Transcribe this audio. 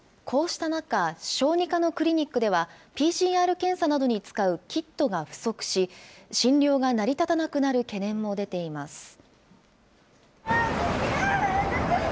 こうした中、小児科のクリニックでは、ＰＣＲ検査などに使うキットが不足し、診療が成り立たなくなる懸念も出ています。